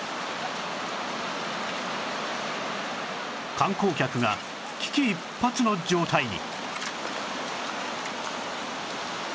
観光客が危機一髪の状態に